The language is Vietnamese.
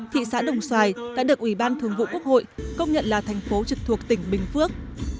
thị xã đồng xoài đã được ủy ban thường vụ quốc hội công nhận là thành phố trực thuộc tỉnh bình phước